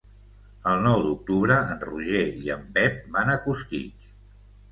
El nou d'octubre en Roger i en Pep van a Costitx.